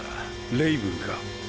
レイブンか？